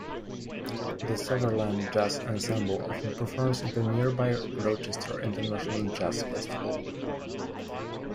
The Sutherland Jazz Ensemble often performs at the nearby Rochester International Jazz Festival.